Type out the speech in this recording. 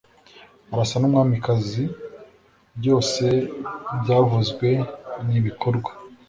arasa numwamikazi byose byavuzwe nibikorwa